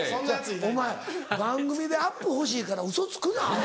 お前番組でアップ欲しいからウソつくなアホ。